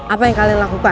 apa yang kalian lakukan